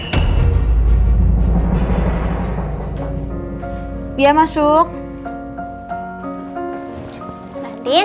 tante itu benar benar mencurigakan banget semalam